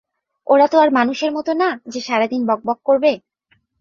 ওরা তো আর মানুষের মতো না, যে, সারা দিন বকবক করবে।